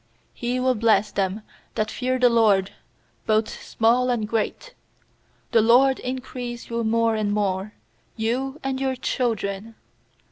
13He will bless them that fear the LORD, Both small and great. I4The LORD increase you more and more, You and your children.